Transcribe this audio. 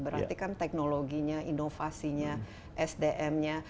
berarti kan teknologinya inovasinya sdm nya